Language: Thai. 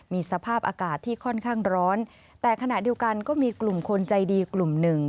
มีสภาพอากาศที่ค่อนข้างร้อนแต่ขณะเดียวกันก็มีกลุ่มคนใจดีกลุ่มหนึ่ง